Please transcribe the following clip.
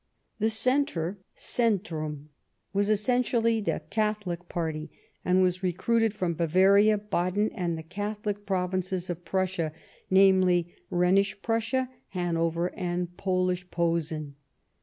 The Centre — Centrum — ^was essentially the Catholic party and was recruited from Bavaria, Baden and the Catholic Provinces of Prussia, namely, Rhenish Prussia, Hanover and Polish Posen.